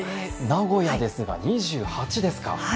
名古屋で２８度ですか。